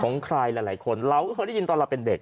ของใครหลายคนเราก็เคยได้ยินตอนเราเป็นเด็ก